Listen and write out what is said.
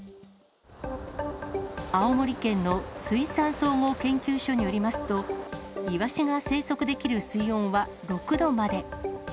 青森県の水産総合研究所によりますと、イワシが生息できる水温は６度まで。